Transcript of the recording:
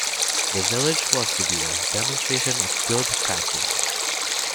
The village was to be a demonstration of good practice.